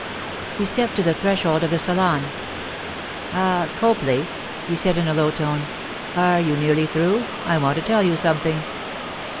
He stepped to the threshold of the salon. 'Ah, Copley,' he said in a low tone. 'Are you nearly through? I want to tell you something.